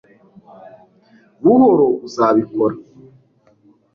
buhoro, uzabikora